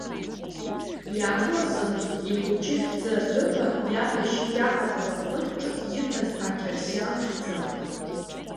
Иаарласынгьы, ихәыҷы хьӡы аҭыԥан, иаб иашьа иаҳаҭыр аҟнытә ҿыц ирҭаз ақьырсиан хьӡы.